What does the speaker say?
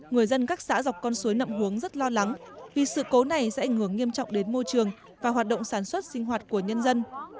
người dân các xã dọc con suối nậm hướng rất lo lắng vì sự cố này sẽ ảnh hưởng nghiêm trọng đến môi trường và hoạt động sản xuất sinh hoạt của nhân dân